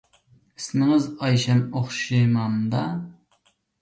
ئىسمىڭىز ئايشەم ئوخشىمامدا؟